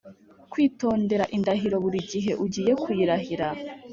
Kwitondera indahiro burigihe ugiye kuyirahira